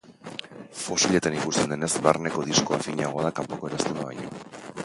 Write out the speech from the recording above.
Fosiletan ikusten denez barneko diskoa finagoa da kanpoko eraztuna baino.